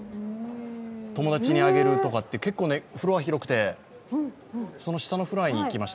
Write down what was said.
友達にあげるとか結構フロア広くて、その下のフロアに行きました。